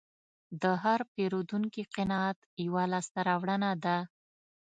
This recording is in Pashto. د هر پیرودونکي قناعت یوه لاسته راوړنه ده.